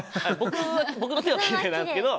僕の手はきれいなんですけど。